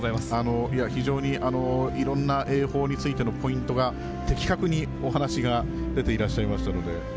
非常にいろんな泳法についてのポイントが的確にお話が出ていらっしゃいましたので。